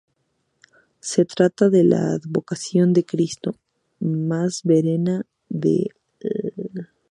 Se trata de la advocación de Cristo más venerada de Lanzarote.